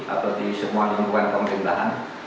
atau di semua lingkungan pemerintahan